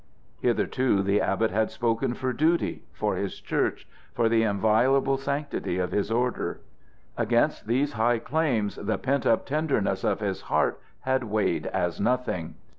Hitherto the abbot had spoken for duty, for his church, for the inviolable sanctity of his order. Against these high claims the pent up tenderness of his heart had weighed as nothing.